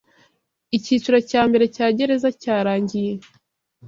Icyiciro cya mbere cya gereza cyarangiye